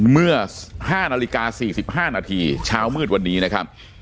เมื่อ๕นาฬิกา๔๕นาทีเช้ามืดวันนี้นะครับ